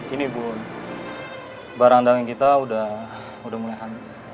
ini bu barang daging kita udah mulai hamis